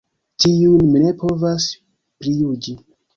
Tiujn mi ne povas prijuĝi.